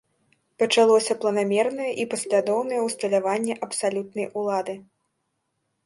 Пачалося планамернае і паслядоўнае ўсталяванне абсалютнай улады.